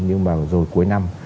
nhưng mà rồi cuối năm